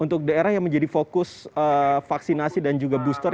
untuk daerah yang menjadi fokus vaksinasi dan juga booster